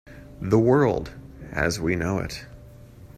The World as we know it.